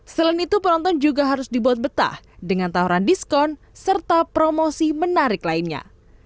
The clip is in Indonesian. selain itu penonton juga harus dibuat betah dengan tawaran diskon serta promosi menarik lainnya